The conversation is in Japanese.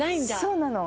そうなの。